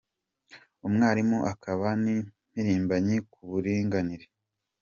umwarimu akaba n’impirimbanyi ku buringanire